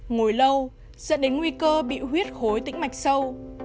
ngồi lâu dẫn đến nguy cơ bị huyết khối tĩnh mạch sâu